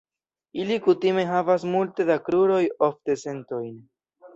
Ili kutime havas multe da kruroj, ofte centojn.